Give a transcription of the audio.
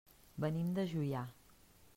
Venim de Juià.